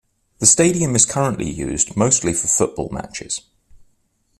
The stadium is currently used mostly for football matches.